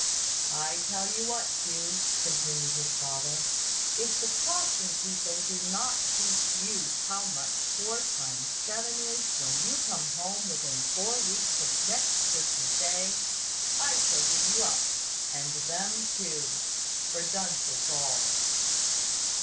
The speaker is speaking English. "I tell you what, Hugh," continued his father; "if the Crofton people do not teach you how much four times seven is when you come within four weeks of next Christmas day, I shall give you up, and them too, for dunces all."